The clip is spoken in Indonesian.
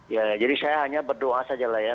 ya jadi saya hanya berdoa sajalah ya